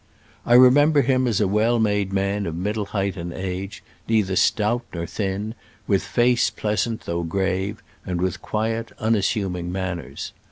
I remember him as a well made man of middle height and age, neither stout nor thin, with face pleasant though grave, and with quiet, unassuming manners.